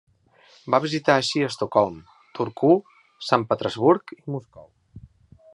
Va visitar així Estocolm, Turku, Sant Petersburg i Moscou.